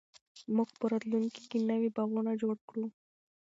موږ به په راتلونکي کې نوي باغونه جوړ کړو.